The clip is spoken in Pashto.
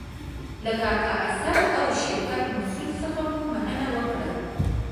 له کاکا اسدالله او شرکت مسئول څخه مو مننه وکړه.